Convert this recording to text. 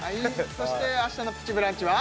そして明日の「プチブランチ」は？